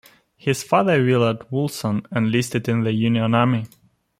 His father, Willard Woolson, enlisted in the Union Army.